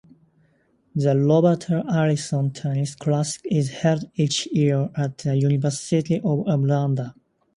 The Roberta Alison Tennis Classic is held each year at the University of Alabama.